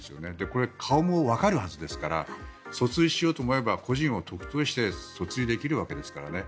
これ、顔もわかるはずですから訴追しようと思えば個人を特定して訴追できるわけですからね。